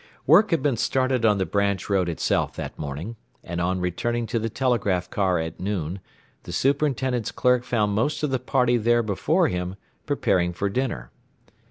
Work had been started on the branch road itself that morning, and on returning to the telegraph car at noon the superintendent's clerk found most of the party there before him, preparing for dinner.